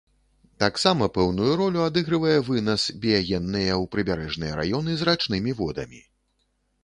Таксама, пэўную ролю адыгрывае вынас біягенныя ў прыбярэжныя раёны з рачнымі водамі.